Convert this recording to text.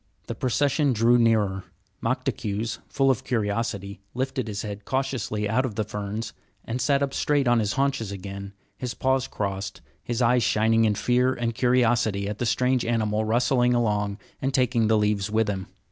The procession drew nearer. Moktaques, full of curiosity, lifted his head cautiously out of the ferns and sat up straight on his haunches again, his paws crossed, his eyes shining in fear and curiosity at the strange animal rustling along and taking the leaves with him.